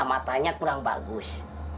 matanya kurang bagus